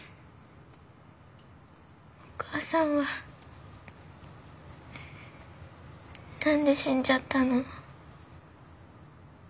お母さんは何で死んじゃったの？